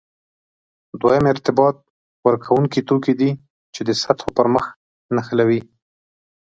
دویم ارتباط ورکوونکي توکي دي چې د سطحو پرمخ نښلوي.